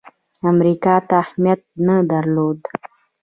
امریکا ته اهمیت نه درلود.